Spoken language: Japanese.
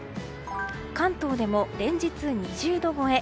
関東でも連日２０度超え。